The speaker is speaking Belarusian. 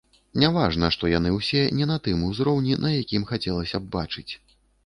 Не важна, што яны ўсе не на тым узроўні, на якім хацелася б бачыць.